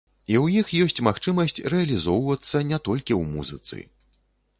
І ў іх ёсць магчымасць рэалізоўвацца не толькі ў музыцы.